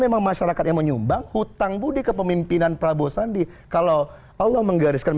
pasti bukan perkumpulan golfer